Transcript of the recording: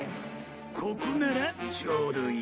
ここならちょうどいい。